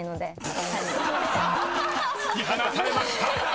［突き放されました！］